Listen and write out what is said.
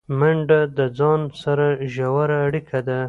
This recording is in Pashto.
منډه د ځان سره ژوره اړیکه ده